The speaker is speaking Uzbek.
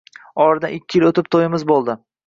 Oradan ikki yil o`tib to`yimiz bo`ldi